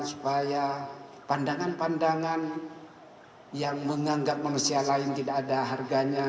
supaya pandangan pandangan yang menganggap manusia lain tidak ada harganya